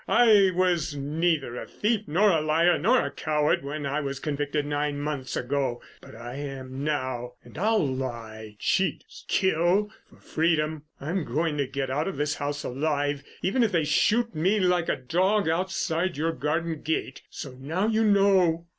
I was neither a thief nor a liar nor a coward when I was convicted nine months ago, but I am now, and I'll lie, cheat, kill—for freedom. I'm going to get out of this house alive even if they shoot me like a dog outside your garden gate. So now you know."